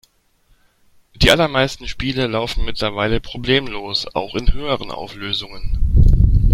Die allermeisten Spiele laufen mittlerweile problemlos, auch in höheren Auflösungen.